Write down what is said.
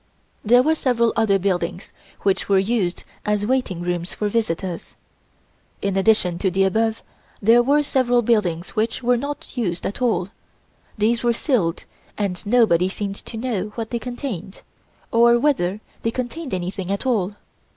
There were several other buildings, which were used as waiting rooms for visitors. In addition to the above, there were several buildings which were not used at all; these were sealed and nobody seemed to know what they contained, or whether they contained anything at all.